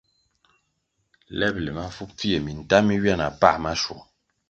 Lebʼle mafu pfie, minta mi ywia na pa maschwong.